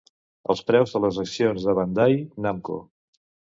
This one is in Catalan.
Els preus de les accions de Bandai Namco.